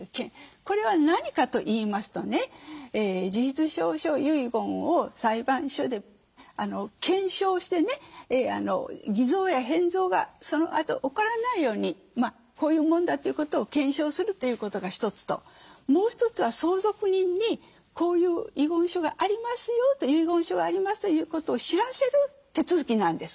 これは何かと言いますとね自筆証書遺言を裁判所で検証してね偽造や変造がそのあと起こらないようにこういうもんだということを検証するということが一つともう一つは相続人にこういう遺言書がありますよと遺言書がありますということを知らせる手続きなんです。